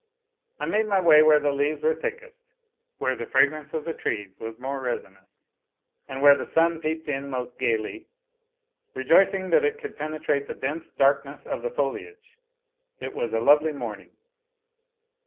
I made my way where the leaves were thickest, where the fragrance of the trees was more resinous, and where the sun peeped in most gaily, rejoicing that it could penetrate the dense darkness of the foliage. It was a lovely morning.